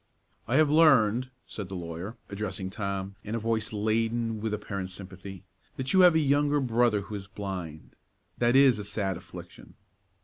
"I have learned," said the lawyer, addressing Tom, in a voice laden with apparent sympathy, "that you have a younger brother who is blind. That is a sad affliction."